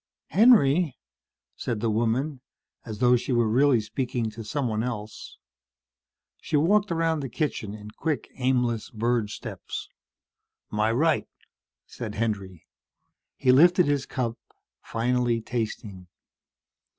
"Henry?" said the woman, as though she were really speaking to someone else. She walked around the kitchen in quick aimless bird steps. "My right," said Henry. He lifted his cup, finally, tasting.